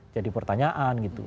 jadi pertanyaan gitu